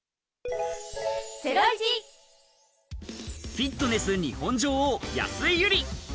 フィットネス日本女王・安井友梨。